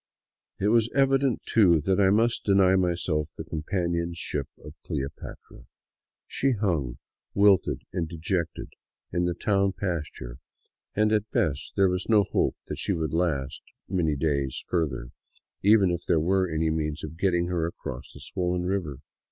It was evident, too, that I must deny myself the com panionship of " Cleopatra." She hung wilted and dejected in the town pasture, and at best there was no hope that she would last many days further, even if there were any means of getting her across the swollen river.